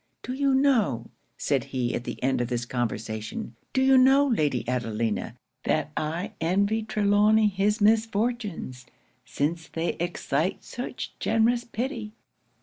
'"Do you know," said he, at the end of this conversation "Do you know, Lady Adelina, that I envy Trelawny his misfortunes, since they excite such generous pity.